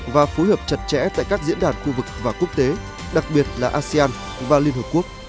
và phối hợp chặt chẽ tại các diễn đàn khu vực và quốc tế đặc biệt là asean và liên hợp quốc